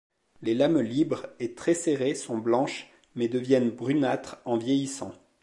Les lames libres et très serrées, sont blanches mais deviennent brunâtres en vieillissant.